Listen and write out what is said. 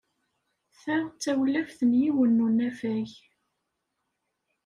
Ta d tawlaft n yiwen n unafag.